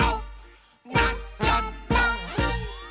「なっちゃった！」